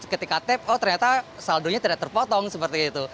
ketika tap oh ternyata saldonya tidak terpotong seperti itu